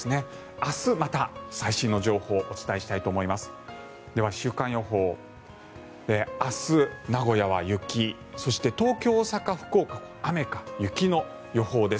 明日、また最新の情報をお伝えしたいと思います。